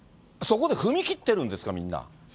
そこで踏み切ってるんですか、みんな。